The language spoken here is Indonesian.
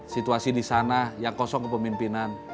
situasi di sana yang kosong kepemimpinan